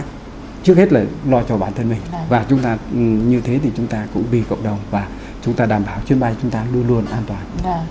trước hết là lo cho bản thân mình và chúng ta như thế thì chúng ta cũng vì cộng đồng và chúng ta đảm bảo chuyến bay chúng ta luôn luôn an toàn